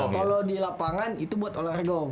kalau di lapangan itu buat olahraga om